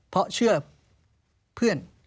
เพราะเชื่อเพื่อน